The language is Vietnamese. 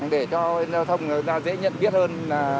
để cho giao thông người ta dễ nhận biết hơn